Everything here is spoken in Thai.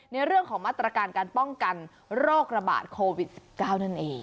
ในเรื่องของมาตรการการป้องกันโรคระบาดโควิด๑๙นั่นเอง